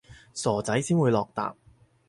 傻仔先會落疊